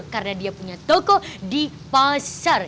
karena dia punya toko di pasar